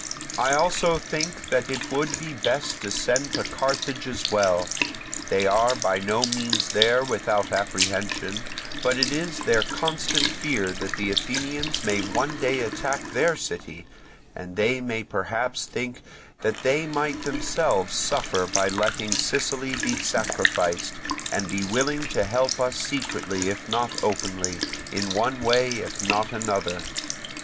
I also think that it would be best to send to Carthage as well; they are by no means there without apprehension, but it is their constant fear that the Athenians may one day attack their city, and they may perhaps think that they might themselves suffer by letting Sicily be sacrificed, and be willing to help us secretly if not openly, in one way if not in another.